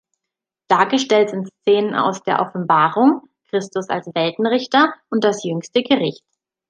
Dargestellt sind Szenen aus der Offenbarung, Christus als Weltenrichter und das Jüngste Gericht.